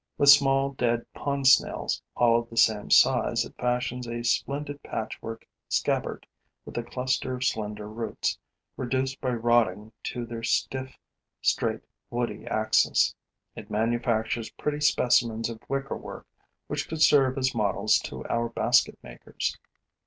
With small, dead pond snails, all of the same size, it fashions a splendid patchwork scabbard; with a cluster of slender roots, reduced by rotting to their stiff, straight, woody axis, it manufactures pretty specimens of wicker work which could serve as models to our basket makers.